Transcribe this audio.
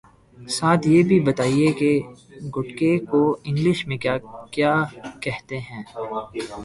ساتھ یہ بھی بتائیے کہ گٹکے کو انگلش میں کیا کہتے ہیں